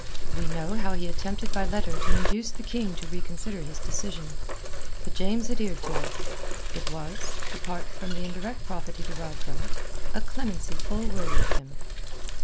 We know how he attempted by letter to induce the King to reconsider his decision. But James adhered to it. It was apart from the indirect profit he derived from it a clemency full worthy of him.